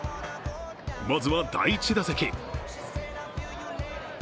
まずは第１打席。